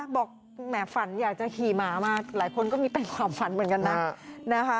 แหมฝันอยากจะขี่หมามาหลายคนก็มีแต่ความฝันเหมือนกันนะ